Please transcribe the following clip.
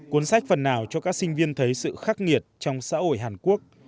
cuốn sách phần nào cho các sinh viên thấy sự khắc nghiệt trong xã hội hàn quốc